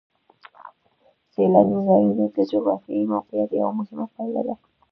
سیلاني ځایونه د جغرافیایي موقیعت یوه مهمه پایله ده.